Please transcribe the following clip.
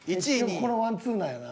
結局このワンツーなんやな。